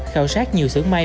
khảo sát nhiều sưởng may